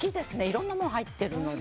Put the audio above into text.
色んなもの入ってるので。